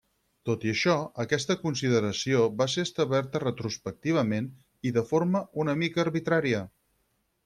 Tot i això, aquesta consideració va ser establerta retrospectivament i de forma una mica arbitrària.